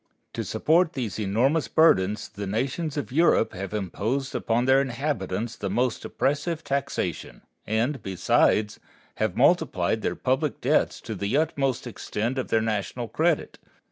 To support these enormous burdens the nations of Europe have imposed upon their inhabitants the most oppressive taxation, and, besides, have multiplied their public debts to the utmost extent of their national credit.